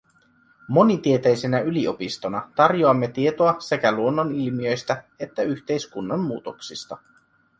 Monitieteisenä yliopistona tarjoamme tietoa sekä luonnonilmiöistä että yhteiskunnan muutoksista.